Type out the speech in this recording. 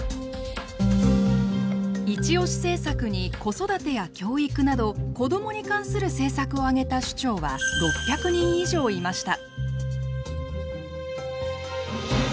イチオシ政策に子育てや教育など子どもに関する政策をあげた首長は６００人以上いました。